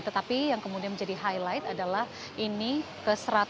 tetapi yang kemudian menjadi highlight adalah ini ke seratus